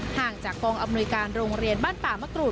ห่างจากกองอำนวยการโรงเรียนบ้านป่ามะกรูด